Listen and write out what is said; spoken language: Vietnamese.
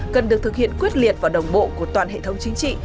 cần được thực hiện quyết liệt và đồng bộ của toàn hệ thống chính trị